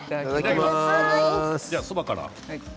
じゃあ、そばから。